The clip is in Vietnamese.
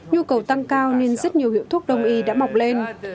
nhu cầu tăng cao nên rất nhiều hiệu thuốc đông y đã mọc lên